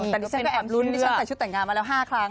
แต่ดิฉันก็แอบลุ้นดิฉันใส่ชุดแต่งงานมาแล้ว๕ครั้ง